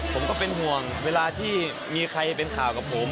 ผมก็เป็นห่วงเวลาที่มีใครเป็นข่าวกับผม